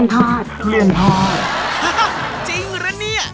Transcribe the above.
ห๊ะจริงเหรอเนี่ย